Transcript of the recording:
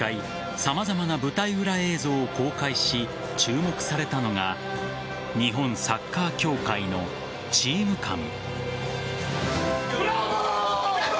様々な舞台裏映像を公開し注目されたのが日本サッカー協会のＴｅａｍＣａｍ。